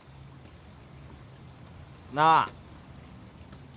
なあ。